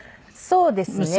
そうですね。